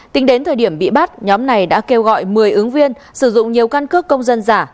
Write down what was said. tính đến thời điểm bị bắt nhóm này đã kêu gọi một mươi ứng viên sử dụng nhiều căn cước công dân giả